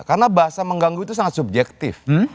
karena bahasa mengganggu itu sangat subjektif